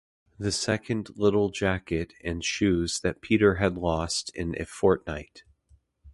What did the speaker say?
The second little jacket and shoes that Peter had lost in a fortnight!